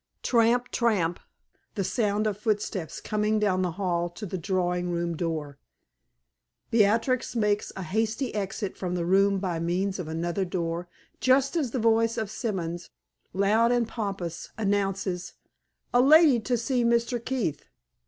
Tramp! tramp! the sound of footsteps coming down the hall to the drawing room door. Beatrix makes a hasty exit from the room by means of another door just as the voice of Simons, loud and pompous, announces: "A lady to see Mr. Keith.